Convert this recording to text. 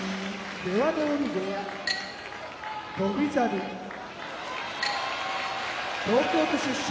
出羽海部屋翔猿東京都出身